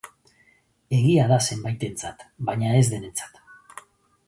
Egia da zenbaitentzat, bainan ez denentzat.